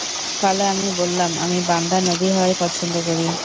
ফলে আমি বললামঃ আমি বান্দা নবী হওয়াই পছন্দ করি।